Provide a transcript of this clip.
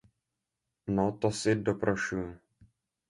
No to si doprošuju.